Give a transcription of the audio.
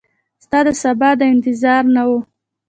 ستا دسبا د انتظار نه وه